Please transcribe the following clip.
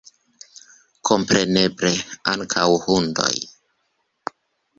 Kompreneble, ankaŭ hundoj.